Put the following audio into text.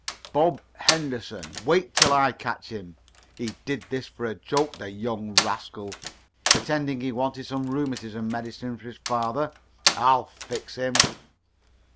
"Bob Henderson. Wait till I catch him! He did this for a joke. The young rascal! pretending he wanted some rheumatism medicine for his father! I'll fix him!"